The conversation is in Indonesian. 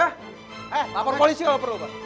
eh lapor polisi kalau perlu pak